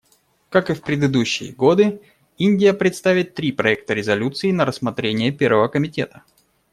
Как и в предыдущие годы, Индия представит три проекта резолюций на рассмотрение Первого комитета.